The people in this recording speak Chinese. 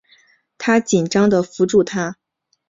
她紧张的扶住她